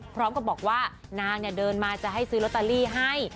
พร้อมกับบอกว่านางเดินมาจะให้ซื้อลอตเตอรี่ให้